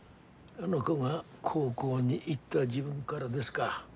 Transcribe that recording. あの子が高校に行った時分がらですか。